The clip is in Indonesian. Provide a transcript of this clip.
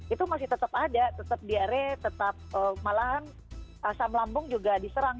itu masih tetap ada tetap diare tetap malahan asam lambung juga diserang